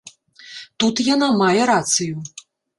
Тут яна мае рацыю.